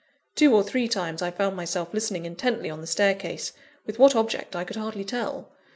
Two or three times I found myself listening intently on the staircase, with what object I could hardly tell.